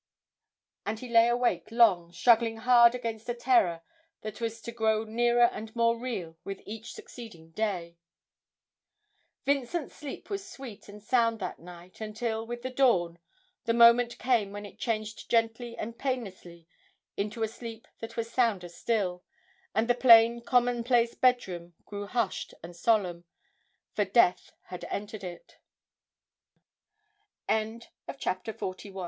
And he lay awake long, struggling hard against a terror that was to grow nearer and more real with each succeeding day. Vincent's sleep was sweet and sound that night, until, with the dawn, the moment came when it changed gently and painlessly into a sleep that was sounder still, and the plain common place bedroom grew hushed and solemn, for Death had entered it. CHAPTER XLII. FRO